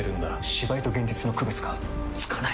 芝居と現実の区別がつかない！